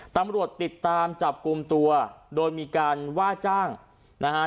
ตำรวจติดตามจับกลุ่มตัวโดยมีการว่าจ้างนะฮะ